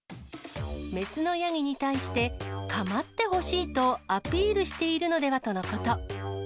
雌のヤギに対して、構ってほしいとアピールしているのではとのこと。